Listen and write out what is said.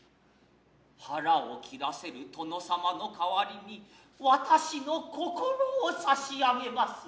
腹を切らせる殿様のかはりに私の心を差上げます。